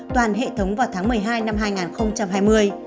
toàn hệ thống vào tháng một mươi hai năm hai nghìn hai mươi